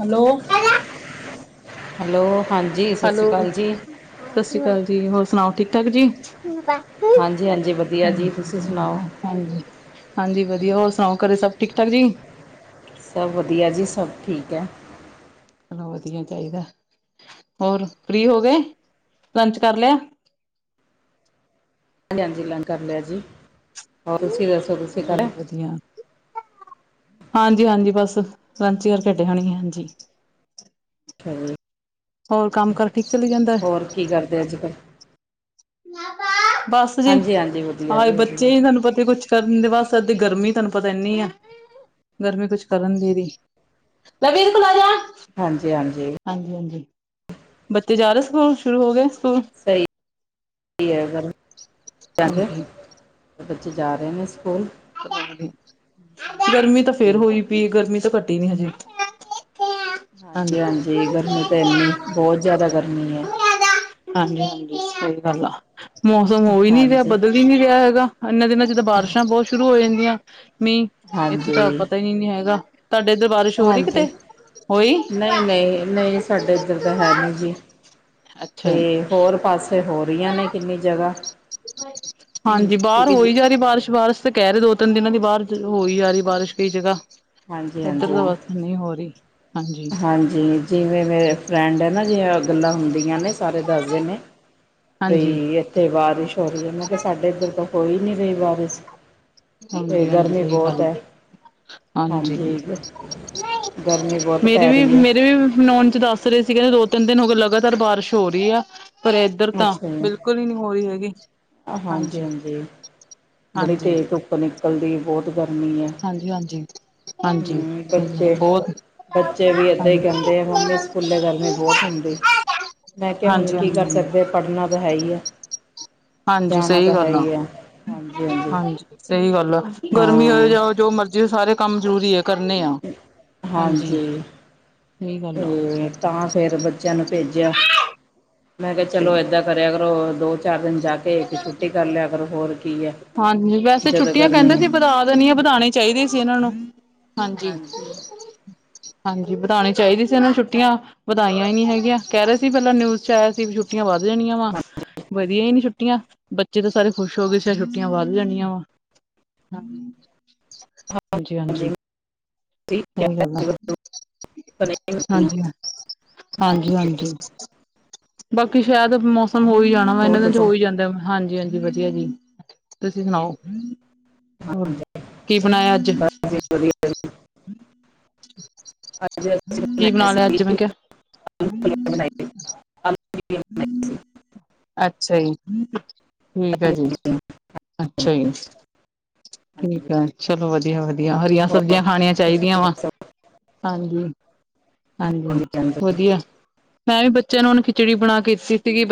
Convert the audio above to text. Hello. Hello. ਹਾਂਜੀ। ਸਤਿ hello ਸ਼੍ਰੀ ਅਕਾਲ ਜੀ ਸਤਿ ਸ਼੍ਰੀ ਅਕਾਲ ਜੀ, ਹੋਰ ਸੁਣਾਓ ਠੀਕ-ਠਾਕ ਜੀ? ਹਾਂਜੀ [unintelligible] ਹਾਂਜੀ ਵਧੀਆ ਜੀ ਤੁਸੀਂ ਸੁਣਾਓ ਹਾਂਜੀ-ਹਾਂਜੀ ਵਧੀਆ, ਹੋਰ ਸੁਣਾਓ? ਘਰੇ ਸਭ ਠੀਕ-ਠਾਕ ਜੀ? ਸਭ ਵਧੀਆ ਜੀ ਸਭ ਠੀਕ ਹੈ। ਚਲੋ ਵਧੀਆ ਚਾਹੀਦਾ ਐ, ਹੋਰ ਫ੍ਰਰੀ ਹੋ ਗਏ ਲੰਚ ਕਰ ਲਿਆ? ਹਾਂਜੀ-ਹਾਂਜੀ, ਲੰਚ ਕਰ ਲਿਆ ਜੀ। ਹੋਰ ਤੁਸੀਂ ਦੱਸੋ ਤੁਸੀਂ ਕਰ ਲਿਆ? ਚਲੋ ਵਧੀਆ ਏ। ਹਾਂਜੀ-ਹਾਂਜੀ, ਬਸ ਲੰਚ ਯਾਰ ਘਟੇ ਹੋਣੇ ਹਾਂਜੀ [unintelligible] ਹੋਰ ਕੰਮ-ਕਾਰ ਠੀਕ ਚੱਲੀ ਜਾਂਦਾ? ਹੋਰ ਕੀ ਕਰਦੇ ਅੱਜ-ਕੱਲ੍ਹ? [unintelligible] ਬਸ ਜੀ ਹਾਂਜੀ ਹਾਂਜੀ ਵਧੀਆ ਆਏ ਜੀ ਵਧੀਆ ਬੱਚੇ ਹੀ ਤੁਹਾਨੂੰ ਪਤੇ ਕੁਛ ਕਰਨ ਦੇ ਬਸ ਅੱਧ ਗਰਮੀ ਤੁਹਾਨੂੰ ਪਤਾ ਇੰਨੀ ਆ ਗਰਮੀ ਕੁਛ ਕਰਨ ਦੇ ਦੀ [unintelligible] ਹਾਂਜੀ-ਹਾਂਜੀ। ਹਾਂਜੀ-ਹਾਂਜੀ, ਬੱਚੇ ਜਾ ਰਹੇ ਸਕੂਲ ਸ਼ੁਰੂ ਹੋ ਗਏ ਸਕੂਲ? ਸਹੀ ਹਾਂਜੀ [unintelligible] ਬੱਚੇ ਜਾ ਰਹੇ ਨੇ ਸਕੂਲ? [unintelligible] ਗਰਮੀ ਤੇ ਫੇਰ ਹਾਂਜੀ ਹੋ ਗਈ। ਵੀ ਗਰਮੀ ਤੇ ਘੱਟੀ ਨੀ ਹਜੇ [unintelligible] ਹਾਂਜੀ [unintelligible] ਹਾਂਜੀ ਗਰਮੀ ਤਾਂ ਇੰਨੀ ਬਹੁਤ ਜ਼ਿਆਦਾ ਗਰਮੀ ਹੈ ਹਾਂਜੀ-ਹਾਂਜੀ, ਸਹੀ ਗੱਲ ਆ ਮੌਸਮ ਹੋਈ ਨੀ ਰੇਹਾ ਹਾਂਜੀ ਬਦ [unintelligible] ਰੇਹਾ ਹੈਗਾ, ਏਹਨੇ ਦਿਨਾਂ 'ਚ ਬਾਰਿਸ਼ਾਂ ਬਹੁਤ ਸ਼ੁਰੂ ਹੋ ਜਾਂਦੀਆਂ, ਮੀਂਹ [unintelligible] ਇੱਥੇ ਤੇ ਹਾਂਜੀ ਪਤਾ ਹੀ ਨੀ-ਨੀ ਹੈਗਾ, ਤੁਹਾਡੇ ਇਧਰ ਬਾਰਿਸ਼ ਹੋ ਰਹੀ ਕਿਤੇ? ਹੋਈ [inaudible] ਨਹੀਂ-ਨਹੀਂ-ਨਹੀਂ, ਸਾਡੇ ਇੱਦਰ ਤੇ ਹੈ ਨੀ ਜੀ। ਅੱਛਾ ਤੇ ਹੋਰ ਪਾਸੇ ਹੋ ਰਹੀਆਂ ਨੇ ਜੀ ਕਿੰਨੀ ਜਗ੍ਹਾ। [inaudible] ਹਾਂਜੀ, ਬਾਹਰ ਕਿਉਂਕਿ ਜ ਹੋਈ ਜਾ ਰਹੀ ਬਾਰਿਸ਼ ਬਾਰ ਕਹਿ ਰਹੇ ਦੋ-ਤਿੰਨ ਦਿਨਾਂ ਦੀ ਬਾਹਰ ਹੋਈ ਆ ਰਹੀ ਬਾਰਿਸ਼ ਕਈ ਜਗ੍ਹਾ, ਹਾਂਜੀ ਏਧਰ ਤੇ ਹਾਂਜੀ ਬਸ ਨਹੀਂ ਹੋ ਰਹੀ? ਹਾਂਜੀ। ਹਾਂਜੀ, ਜਿਵੇਂ ਮੇਰੇ ਫਰੈਂਡ ਹੈ ਨਾ ਜਿਵੇ ਗੱਲਾਂ ਹੁੰਦੀਆਂ ਨੇ ਸਾਰੇ ਦੱਸਦੇ ਨੇ ਹਾਂਜੀ ਬਈ, ਏਥੇ ਬਾਰਿਸ਼ ਹੋ ਰਹੀ ਐ, ਮੈਂ ਕੇਹਾ ਸਾਡੇ ਇੱਦਰ ਤੇ ਹੋਈ ਨੀ ਰਹੀ ਬਾਰਿਸ। [inaudible] ਤੇ ਹਾਂਜੀ ਹਾਂਜੀ ਗਰਮੀ ਸਹੀ ਬਹੁਤ ਗੱਲ ਐ। [inaudible] ਹਾਂਜੀ, ਗ [inaudible] ਗਰਮੀ ਬਹੁਤ ਪੇਂ ਮੇਰੇ ਵੀ -ਮੇਰੇ ਵੀ ਨੋਓਨ 'ਚ ਦੱਸ ਰਹੇ ਸੀਗੇ ਦੋ- ਤਿੰਨ ਦਿਨ ਹੋ ਗਏ ਲਗਾਤਾਰ ਬਾਰਿਸ਼ ਹੋ ਰਹੀ ਐ। ਪਰ ਏਦਰ ਤਾਂ ਬਿਲਕੁਲ ਹੀ- ਨੀ ਹੋ ਰਹੀ ਹੈਗੀ। ਆ ਹਾਂਜੀ -ਹਾਂਜੀ [inaudible] ਬੜੀ ਹਾਂਜੀ ਤੇਜ਼ ਧੁਪ ਨਿਕ ਕੰਲ ਦੀ ਬਹੁਤ ਗਰਮੀ ਐ ਹਾਂਜੀ ਹਾਂਜੀ [inaudible] ਹੁ ਹਾਂਜੀ ਮ ਸਹੀ ਗੱਲ ਬੱਚੇ? ਬਹੁਤ ਬੱਚੇ ਵੀ ਏਦਾਂ ਹੀ ਹਾਂਜੀ ਕੇਂਦੇ ਮੰਮੀ ਸਕੂਲੇ ਗਰਮੀ ਬਹੁਤ ਹੁੰਦੀ [inaudible] ਮੈਂ ਕੇ ਹੁਣ ਹਾਂਜੀ ਕੀ ਕਰ ਹਾਂਜੀ ਸਕਦੇ, ਪੜ੍ਹਨਾ ਤੇ ਹੈ ਹੀ ਐ। ਹਾਂਜੀ ਸਹੀ ਗੱਲ ਆ ਹਾਂਜੀ। ਸਹੀ ਗੱਲ ਆ ਗਰਮੀ ਹੋ ਹਾਂ ਜਾ ਜੋ ਮਰਜ਼ੀ ਹੋ ਸਾਰੇ ਕੰਮ ਜ਼ਰੂਰੀ ਹੈ। ਕਰਨੇ ਆ ਹਾਂਜੀ ਸਹੀ ਗੱਲ ਆ। ਤੇ ਤਾਂ ਫੇਰ ਬੱਚਿਆਂ ਨੂੰ ਭੇਜਿਆ ਮੈਂ ਕਿਹਾ ਅੱਛਾ ਚਲੋ ਜੀ ਏਦਾਂ ਕਰੇ ਅਗਰ ਉਹ ਦੋ ਚਾਰ ਦਿਨ ਜਾ ਕੇ ਇੱਕ ਛੁੱਟੀ ਕਰ ਲਿਆ ਕਰੋ ਹੋਰ ਕੀ ਹੈ ਹਾਂਜੀ ਵੈਸੇ ਜਦੋਂ ਛੁੱਟੀਆਂ ਗਰਮੀ ਕਹਿੰਦੇ ਹੈ ਸੀ ਵਧਾ ਦੇਣੀਆਂ ਵਧਾਣੇ ਚਾਹੀਦੇ ਸੀ ਇਹਨਾਂ ਨੂੰ ਹਾਂਜੀ ਹਾਂਜੀ ਵਧਾਉਣੀ ਚਾਹੀਦੀ ਸੀ ਇਹਨੂੰ ਛੁੱਟੀਆਂ ਵਧਾਈਆਂ ਹੀ ਨਹੀਂ ਹੈਗੀਆਂ ਕਹਿ ਰਹੇ ਸੀ ਪਹਿਲਾਂ ਨਿਊਜ਼ ਚ ਆਇਆ ਸੀ ਵੀੁੱ ਛੁੱਟ ਵਧ ਜਾਣੀਆਂ ਵਾ ਵਧੀਆ ਹੀ ਨ ਛੁ ਛੁੱਟੀਆਂ, ਬੱਚੇ ਤੇ ਸਾਰੇ ਖੁਸ਼ ਹੋ ਗਏ ਸੈ਼ਦ ਛੁੱਟੀਆਂ ਵੱਧ ਜਾਣੀਆਂ ਵਾ [inaudible] ਹਾਂਜੀ- ਹਾਂਜੀ [inaudible] ਸਹੀ ਗੱਲ ਏ। [unintelligible] ਹਾਂਜੀ- ਹਾਂਜੀ [unintelligible] ਹਾਂਜੀ-ਹਾਂਜੀ ਬਾਕੀ ਸ਼ਾਇਦ ਮੌਸਮ ਹੋ ਹੀ ਜਾਣਾ ਵੈ, ਹੋਰ ਏਹਨੇ ਦੇਨ ਤੇ ਦੱਸੋ ਹੋਈ ਜਾਂਦੇ ਵੈ ਹਾਂਜੀ- ਹਾਂਜੀ ਵਧੀਆਂ ਜੀ, ਤੁਸੀਂ ਸੁਣਾਓ? ਹੋਰ, ਕੀ ਬਣਾਇਆ ਅੱਜ? ਵਧੀਆਂ- ਵ [unintelligible] ਅੱਜ ਅਸੀਂ [unintelligible] ਕੀ ਬਣਾਏ ਬਣਾ ਲਿਆ ਸੀ ਅੱਜ ਮੈਂ ਕੇਹਾ? ਆਲੂ ਬਣਾਏ [unintelligible] ਸੀ [unintelligible] ਅੱਛਾ ਜੀ ਠੀਕ ਹੈ। ਜੀ ਆਲੂ ਅੱਛਾ ਜੀ ਠੀਕ ਚਲੋ ਵਧੀਆ-ਵਧੀਆ ਹਰੀਆਂ ਹੋਰ ਸਬਜ਼ੀਆਂ ਖਾਣੀਆਂ ਚਾਹੀਦੀਆਂ ਤੁਸੀਂ ਵਾ ਦੱਸੋ ਹਾਂਜੀ ਹਾਂਜੀ ਵਧੀਆ ਮੈਂ ਵੀ ਬੱਚਿਆਂ ਨੂੰ ਹੁਣ ਖਿਚੜੀ ਬਣਾ ਕੇ ਦਿੱਤੀ ਸੀਗੀ।